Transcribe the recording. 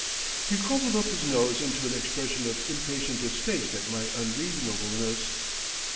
He crumpled up his nose into an expression of impatient distaste at my unreasonableness.